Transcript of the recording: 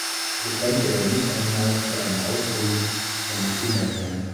So konnte er nicht einmal für eine Ausbildung seiner Kinder sorgen.